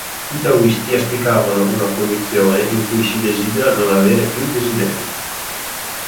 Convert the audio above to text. I taoisti auspicavano una condizione in cui si desidera non aver più desideri..